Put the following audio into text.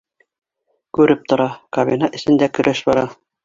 Күреп тора, кабина эсендә көрәш бара